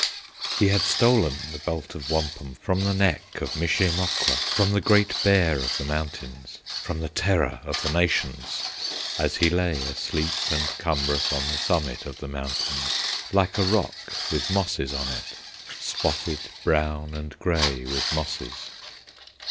He had stolen the Belt of Wampum From the neck of Mishe Mokwa, From the Great Bear of the mountains, From the terror of the nations, As he lay asleep and cumbrous On the summit of the mountains, Like a rock with mosses on it, Spotted brown and gray with mosses.